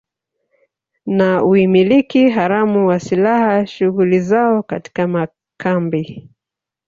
na umiliki haramu wa silaha shughuli zao katika makambi